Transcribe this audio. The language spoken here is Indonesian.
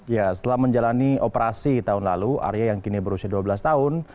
ya setelah menjalani operasi tahun lalu arya yang kini berusia dua belas tahun